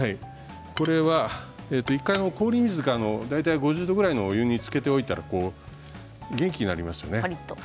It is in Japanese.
これは１回、氷水か５０度ぐらいのお湯につけておいたら元気になりますよね。